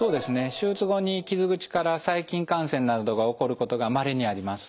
手術後に傷口から細菌感染などが起こることがまれにあります。